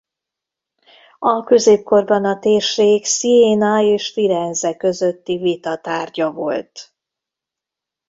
A középkorban a térség Siena és Firenze közötti vita tárgya volt.